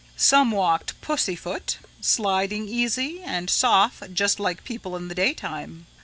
"Some walked pussyfoot, sliding easy and soft just like people in the daytime.